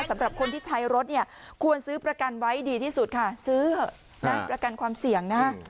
สำหรับคนที่ใช้รถเนี่ยควรซื้อประกันไว้ดีที่สุดค่ะซื้อเถอะนะประกันความเสี่ยงนะฮะ